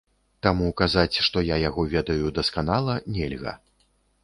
Таму казаць, што я яго ведаю дасканала, нельга.